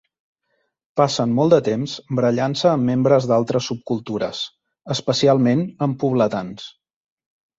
Passen molt de temps barallant-se amb membres d'altres subcultures, especialment amb pobletans.